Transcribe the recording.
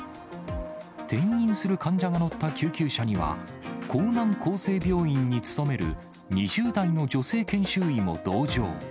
転院する患者が乗った救急車には、江南厚生病院に勤める２０代の女性研修医も同乗。